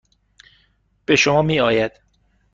به شما میآید.